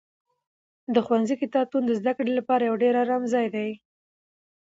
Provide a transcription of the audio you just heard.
د ښوونځي کتابتون د زده کړې لپاره یو ډېر ارام ځای دی.